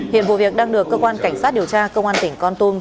hiện vụ việc đang được cơ quan cảnh sát điều tra công an tỉnh con tum